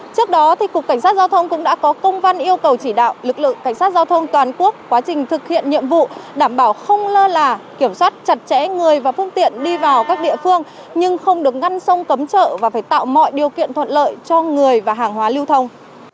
trước đó cục cảnh sát giao thông cũng đã có công văn yêu cầu chỉ đạo lực lượng cảnh sát giao thông toàn quốc quá trình thực hiện nhiệm vụ đảm bảo không lơ là kiểm soát chặt chẽ người và phương tiện đi vào các địa phương nhưng không được ngăn sông cấm chợ và phải tạo mọi điều kiện thuận lợi cho người và hàng hóa lưu thông